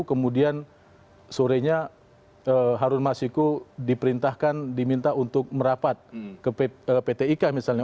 kemudian sorenya harun masiku diperintahkan diminta untuk merapat ke pt ika misalnya